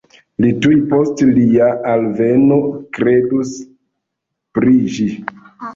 Li tuj post lia alveno kredus pri ĝi